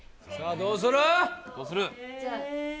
どうする？